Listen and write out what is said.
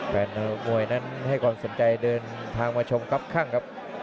แฟนมวยนั้นให้ความสนใจเดินทางมาชมครับข้างครับ